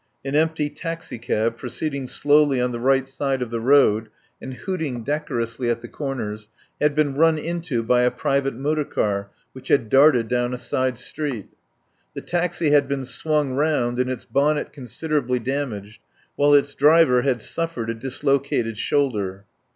An empty taxi cab, proceeding slowly on the right side of the road and hooting decorously at the cor ners, had been run into by a private motor car, which had darted down a side street. The taxi had been swung round and its bonnet con siderably damaged, while its driver had suf fered a dislocated shoulder.